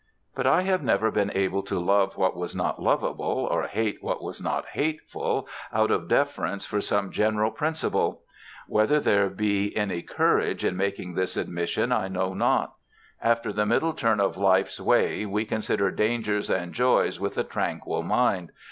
But I have never been able to love what was not lovable or hate what was not hateful out of deference for some general principle. Whether there be any courage in making this admission I know not. After the middle turn of life's way we consider dangers and joys with a tranquil mind.